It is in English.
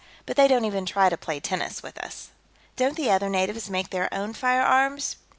But they don't even try to play tennis with us." "Don't the other natives make their own firearms?"